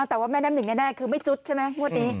แต่ว่าแม่น้ำหนึ่งแน่คือไม่จุดใช่ไหมงวดนี้